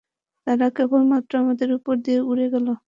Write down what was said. তারা কেবলমাত্র আমাদের উপর দিয়ে উড়ে গেলো।